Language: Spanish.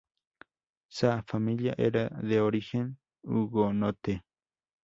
Sa familia era de origen hugonote.